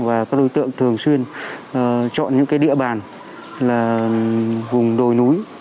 và các đối tượng thường xuyên chọn những địa bàn là vùng đồi núi